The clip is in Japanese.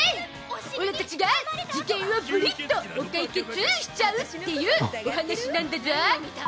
オラたちが事件をブリッとおカイケツしちゃうっていうお話なんだゾ。